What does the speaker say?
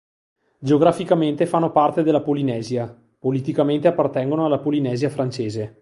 Geograficamente fanno parte della Polinesia, politicamente appartengono alla Polinesia Francese.